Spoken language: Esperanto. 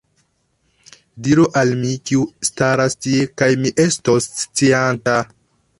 Diru al mi, kiu staras tie, kaj mi estos scianta.